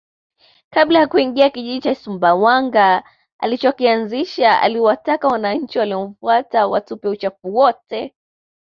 Kabla ya kuingia kijiji cha Sumbawanga alichokianzisha aliwataka wananchi waliomfuata watupe uchafu wote